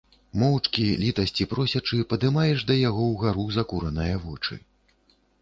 Моўчкі літасці просячы, падымаеш да яго ўгару закураныя вочы.